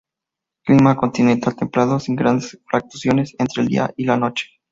Clima continental templado, sin grandes fluctuaciones entre el día y la noche.